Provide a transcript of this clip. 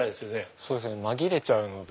そうですね紛れちゃうので。